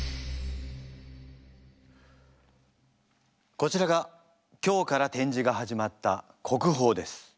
こちらが今日から展示が始まった国宝です。